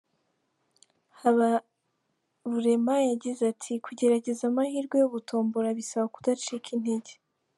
Habarurema yagize ati “Kugerageza amahirwe yo gutombora bisaba kudacika intege.